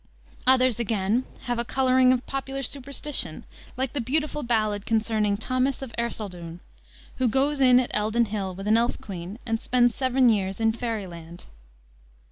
Others, again, have a coloring of popular superstition, like the beautiful ballad concerning Thomas of Ersyldoune, who goes in at Eldon Hill with an Elf queen and spends seven years in fairy land.